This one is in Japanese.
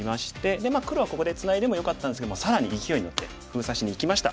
で黒はここでツナいでもよかったんですけど更にいきおいに乗って封鎖しにいきました。